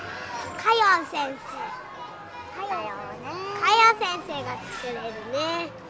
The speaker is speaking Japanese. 加用先生が作れるね。